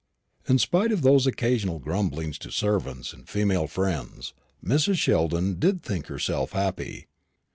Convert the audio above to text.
In spite of those occasional grumblings to servants and female friends, Mrs. Sheldon did think herself happy.